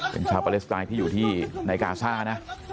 เป็นชาวปาเลสต์ตายที่อยู่นักกาซ่านะ